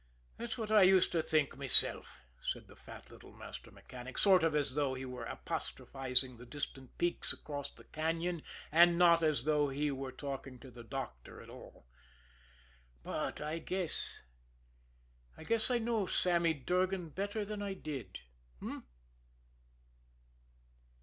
"That's what I used to think myself," said the fat little master mechanic, sort of as though he were apostrophizing the distant peaks across the cañon, and not as though he were talking to the doctor at all. "But I guess I guess I know Sammy Durgan better than I did. H'm?"